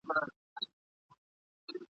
بد مرغۍ وي هغه ورځ وطن وهلی ..